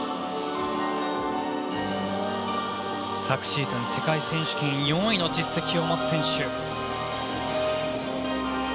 昨シーズン世界選手権４位の実績を持つ選手。